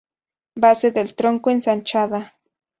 Base del tronco ensanchada.